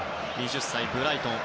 ２０歳、ブライトン。